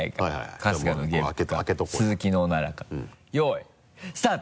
春日のゲップか鈴木のオナラか用意スタート！